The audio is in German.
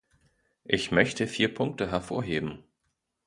Ich möchte vier Punkte hervorheben.